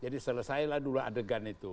jadi selesailah dulu adegan itu